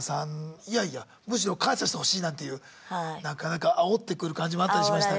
いやいやむしろ感謝してほしいなんていうなかなかあおってくる感じもあったりしましたが。